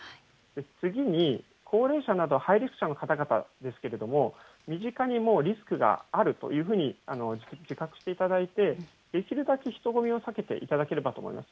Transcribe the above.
次に、高齢者など、ハイリスクの方々ですけれども、身近にリスクがあるというふうに自覚していただいて、できるだけ人混みを避けていただければと思います。